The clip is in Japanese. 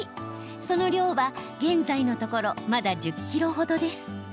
その量は、現在のところまだ１０ｋｇほどです。